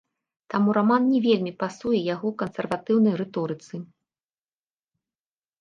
Таму раман не вельмі пасуе яго кансерватыўнай рыторыцы.